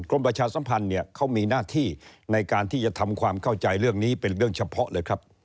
ประชาสัมพันธ์เนี่ยเขามีหน้าที่ในการที่จะทำความเข้าใจเรื่องนี้เป็นเรื่องเฉพาะเลยครับ